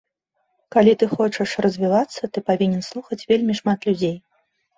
Калі ты хочаш развівацца, ты павінен слухаць вельмі шмат людзей.